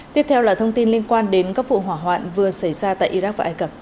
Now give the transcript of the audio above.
tiếp theo là thông tin liên quan đến các vụ hỏa hoạn vừa xảy ra tại iraq và ai cập